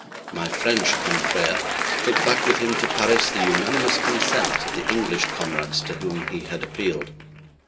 My French confrère took back with him to Paris the unanimous consent of the English comrades to whom he had appealed.